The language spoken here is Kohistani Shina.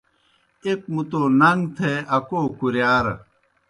ایْک مُتو نݩگ تھے اکو کُرِیارہ۔